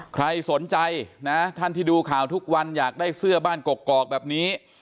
ใครสนใจนะท่านที่ดูข่าวทุกวันอยากได้เสื้อบ้านกกอกแบบนี้